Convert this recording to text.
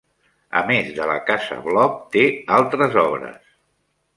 A més de la Casa Bloc, té altres obres.